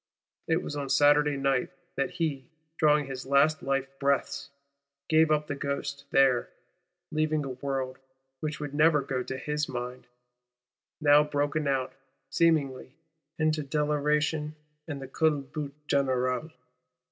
It was on Saturday night that he, drawing his last life breaths, gave up the ghost there;—leaving a world, which would never go to his mind, now broken out, seemingly, into deliration and the culbute générale.